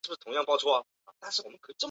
该舰也较两艘姊妹舰稍大及更快。